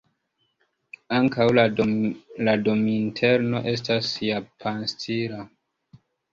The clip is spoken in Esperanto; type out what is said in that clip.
Ankaŭ la dominterno estas japanstila.